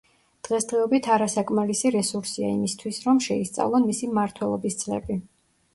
დღესდღეობით არასაკმარისი რესურსია, იმისათვის, რომ შეისწავლონ მისი მმართველობის წლები.